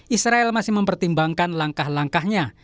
israel masih mempertimbangkan langkah langkahnya